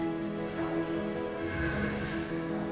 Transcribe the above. baik kita pergi